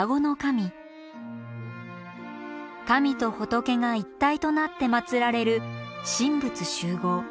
神と仏が一体となって祀られる神仏習合。